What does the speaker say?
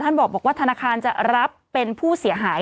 บอกว่าธนาคารจะรับเป็นผู้เสียหาย